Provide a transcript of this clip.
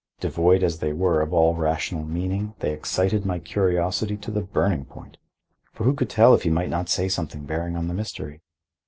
Devoid as they were of all rational meaning, they excited my curiosity to the burning point; for who could tell if he might not say something bearing on the mystery?